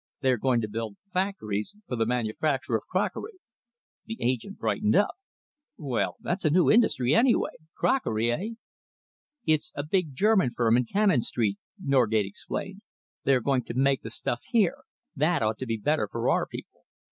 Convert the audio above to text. They are going to build factories for the manufacture of crockery." The agent brightened up. "Well, that's a new industry, anyway. Crockery, eh?" "It's a big German firm in Cannon Street," Norgate explained. "They are going to make the stuff here. That ought to be better for our people."